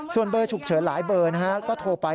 ส่วนเบอร์ฉุกเฉินหลายเบอร์นะฮะก็โทรไป